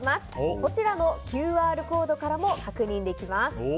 こちらのＱＲコードからも確認できます。